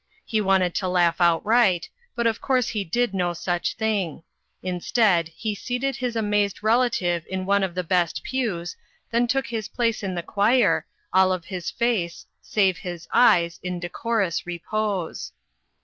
He wanted to laugh outright, but of course he did no such thing; instead, he seated his amazed relative in one of the best pews, then took his place in the choir, all of his face save his eyes in decorous repose.